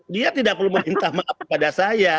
dia tidak perlu meminta maaf kepada saya